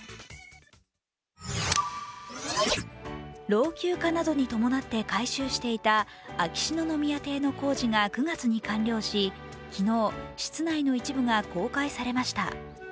老朽化などに伴って改修していた秋篠宮邸の工事が９月に完了し昨日、室内の一部が公開されました。